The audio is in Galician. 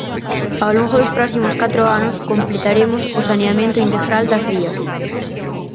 Ao longo dos próximos catro anos completaremos o saneamento integral das rías.